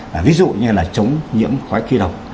ví dụ như là chống nhiễm khói khí độc